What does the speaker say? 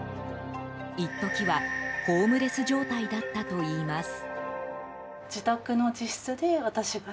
一時は、ホームレス状態だったといいます。